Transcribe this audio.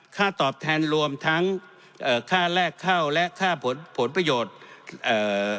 ค่าตอบแทนรวมทั้งเอ่อค่าแลกเข้าและค่าผลผลประโยชน์เอ่อ